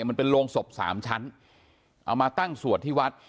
มันเป็นโรงศพสามชั้นเอามาตั้งสวดที่วัด